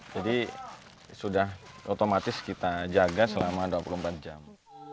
jadi sudah otomatis kita jaga selama dua puluh empat jam